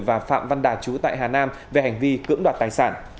và phạm văn đà trú tại hà nam về hành vi cưỡng đoạt tài sản